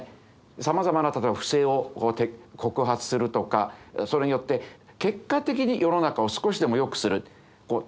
さまざまな例えば不正を告発するとかそれによって結果的に世の中を少しでもよくする。